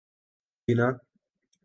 بینا